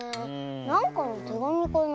なんかのてがみかなあ。